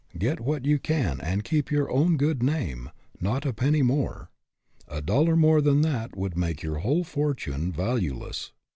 Get what you can and keep your own good name not a penny more. A dollar more than that would make your whole fortune valueless.